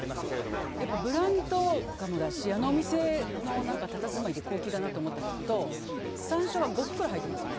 やっぱりブランド鴨だしお店のたたずまいで高級だなと思ったのと山椒が５袋入ってますよね。